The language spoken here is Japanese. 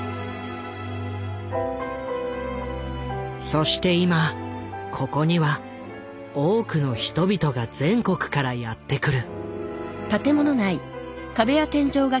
そして今ここには多くの人々が全国からやって来る。